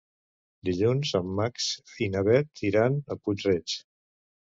Dilluns en Max i na Bet iran a Puig-reig.